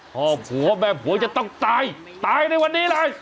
พ่อผัวแม่ผัวจะต้องตายตายในวันนี้เลย